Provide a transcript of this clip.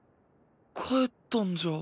帰ったんじゃ。